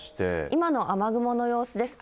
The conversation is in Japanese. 今の雨雲の様子です。